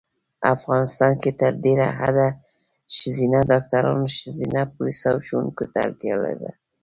افغانیستان کې تر ډېره حده ښځېنه ډاکټرانو ښځېنه پولیسو او ښوونکو ته اړتیا ده